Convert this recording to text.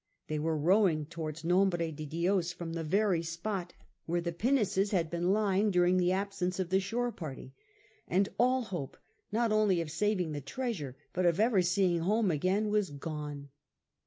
They were rowing towards Nombre de Dios from the very spot where the 44 S/X FRANCIS DRAKE chap. pinnaces had been lying during the absence of the shore party, and all hope, not only of saving the treasure, but of ever seeing home again, was gone.